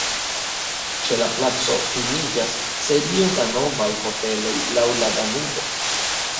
Ĉe la placo finiĝas serio da novaj hoteloj laŭ la Danubo.